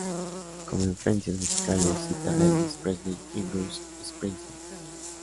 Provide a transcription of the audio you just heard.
Como influencias musicales, cita a Elvis Presley y Bruce Springsteen.